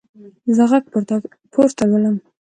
زه غږ پورته لولم.